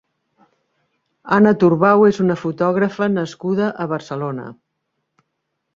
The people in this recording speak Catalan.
Anna Turbau és una fotògrafa nascuda a Barcelona.